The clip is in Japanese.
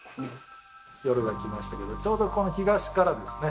夜がきましたけどちょうどこの東からですね